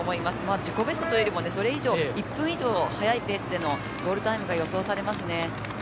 自己ベストというかそれ以上１分以上速いペースでのゴールタイムが予想されますね。